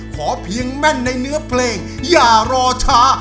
ขอเพียงแม่นในเนื้อเพลงอย่ารอช้า